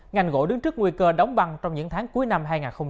ngành gỗ đứng trước nguy cơ đóng băng trong những tháng cuối năm hai nghìn hai mươi